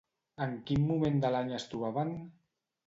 En quin moment de l'any es trobaven?